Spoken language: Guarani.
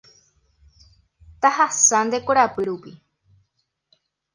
Tahasa nde korapy rupi.